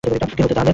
কী হচ্ছে তাহলে?